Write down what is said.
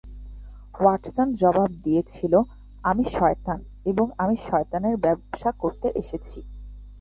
Watson জবাব দিয়েছিল, "আমি শয়তান, এবং আমি শয়তানের ব্যবসা করতে এসেছি।"